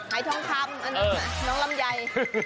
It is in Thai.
หายทองคำน้องลำไย